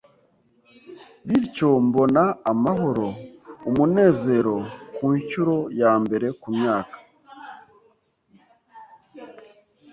bityo mbona amahoro, umunezero ku nshyuro ya mbere ku myaka